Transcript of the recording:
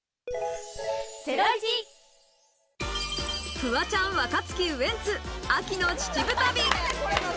フワちゃん、若槻、ウエンツ、秋の秩父旅。